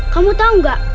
kamu tau nggak